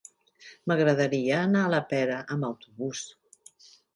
M'agradaria anar a la Pera amb autobús.